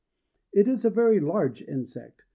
It is a very large insect.